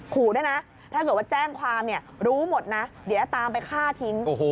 ขู่ด้วยนะถ้าเกิดว่าแจ้งความรู้หมดนะเดี๋ยวจะตามไปฆ่าทิ้ง